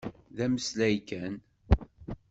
D ameslay kan.